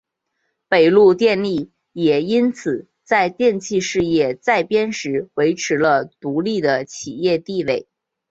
北陆电力也因此在电气事业再编时维持了独立的企业地位。